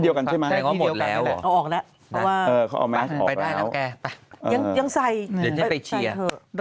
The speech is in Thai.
เดี๋ยวได้ไปเชียร์